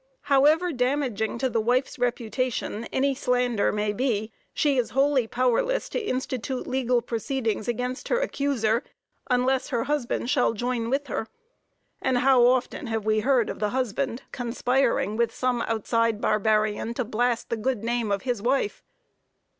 However damaging to the wife's reputation any slander may be, she is wholly powerless to institute legal proceedings against her accuser, unless her husband shall join with her; and how often have we heard of the husband conspiring with some outside barbarian to blast the good name of his wife?